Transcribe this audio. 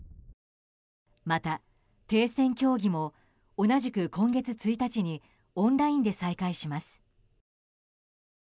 また、停戦協議も同じく今月１日にオンラインで再開します。